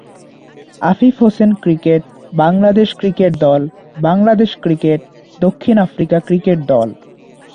আফিফ হোসেনক্রিকেটবাংলাদেশ ক্রিকেট দলবাংলাদেশ ক্রিকেটদক্ষিণ আফ্রিকা ক্রিকেট দল